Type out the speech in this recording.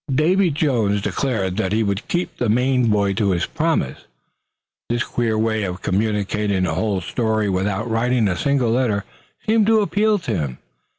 Davy Jones declared that he would keep the Maine boy to his promise. This queer way of communicating a whole story without writing a single letter seemed to appeal to him especially.